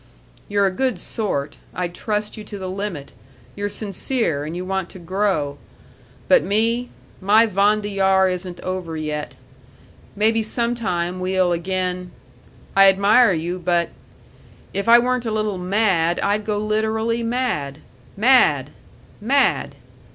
You're a good sort I'd trust you to the limit you're sincere and you want to grow. But me my Wanderjahr isn't over yet. Maybe some time we'll again I admire you, but if I weren't a little mad I'd go literally mad.... Mad mad!"